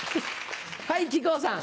はい木久扇さん。